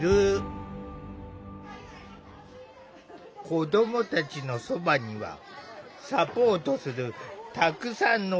子どもたちのそばにはサポートするたくさんの大人の姿が。